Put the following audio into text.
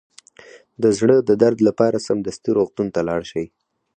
د زړه د درد لپاره سمدستي روغتون ته لاړ شئ